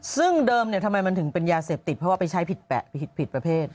ซึ่งเดิมทำไมมันถึงเป็นยาเสพติดเพราะว่าไปใช้ผิดแปะผิดประเภท